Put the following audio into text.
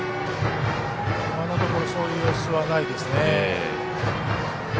今のところそういう様子はないですね。